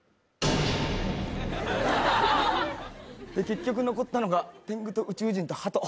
結局残ったのが天狗と宇宙人とハト。